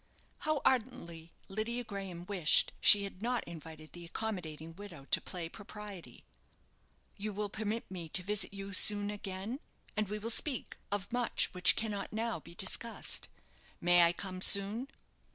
(How ardently Lydia Graham wished she had not invited the accommodating widow to play propriety!) "You will permit me to visit you soon again, and we will speak of much which cannot now be discussed. May I come soon?"